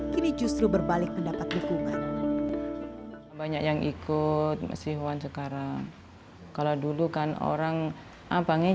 kini justru berbalik mendapat hukuman